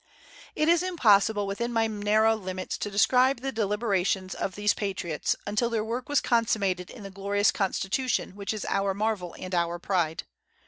It is impossible within my narrow limits to describe the deliberations of these patriots, until their work was consummated in the glorious Constitution which is our marvel and our pride.